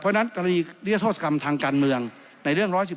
เพราะฉะนั้นกรณีนิรโทษกรรมทางการเมืองในเรื่อง๑๑๒